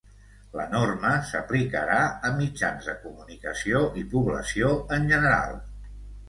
La norma s’aplicarà a mitjans de comunicació i població en general.